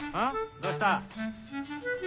どうした？